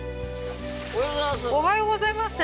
おはようございます。